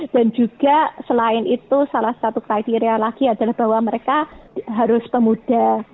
dan juga selain itu salah satu kriteria lagi adalah bahwa mereka harus pemuda